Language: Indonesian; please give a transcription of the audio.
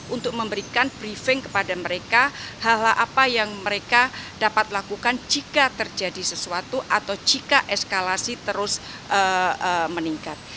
untuk memberikan briefing kepada mereka hal hal apa yang mereka dapat lakukan jika terjadi sesuatu atau jika eskalasi terus meningkat